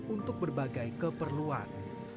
untuk berbagai keperluan